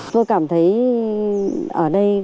tôi cảm thấy ở đây